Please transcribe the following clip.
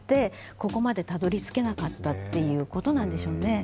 ここまでたどりつけなかったということなんでしょうね。